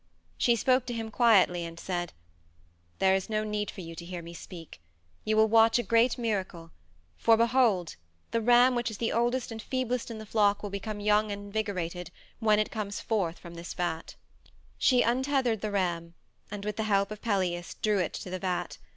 She spoke to him quietly, and said: "There is no need for you to hear me speak. You will watch a great miracle, for behold! the ram which is the oldest and feeblest in the flock will become young and invigorated when it comes forth from this vat." She untethered the ram, and with the help of Pelias drew it to the vat.